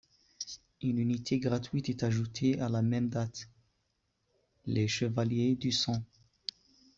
Une unité gratuite est ajoutée à la même date: Les Chevaliers du Sang.